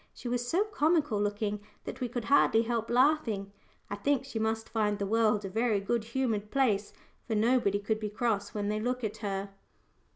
She was so comical looking that we could hardly help laughing. I think she must find the world a very good humoured place, for nobody could be cross when they look at her!